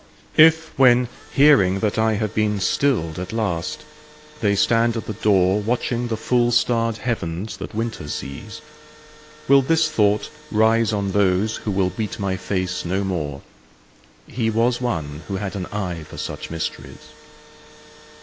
If, when hearing that I have been stilled at last, they stand at the door, Watching the full starred heavens that winter sees, Will this thought rise on those who will meet my face no more, "He was one who had an eye for such mysteries"?